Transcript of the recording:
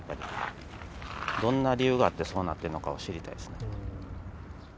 どんな理由があって、そうなってんのかを知りたいです。